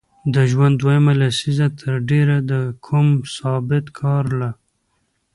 د ژوند دویمه لسیزه تر ډېره د کوم ثابت کار له